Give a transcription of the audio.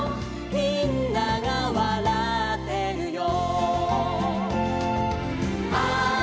「みんながうたってるよ」